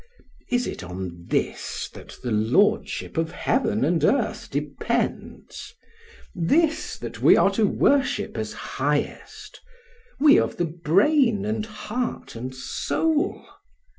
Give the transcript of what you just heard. Is it on this that the lordship of heaven and earth depends? This that we are to worship as highest, we of the brain and heart and soul?